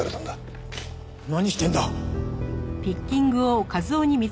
何してんだ！？